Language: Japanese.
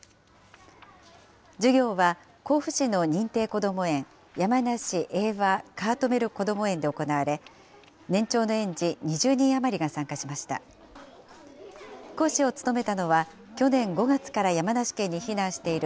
授業は甲府市の認定こども園、山梨英和カートメルこども園で年長の園児２０人余りが参加しました。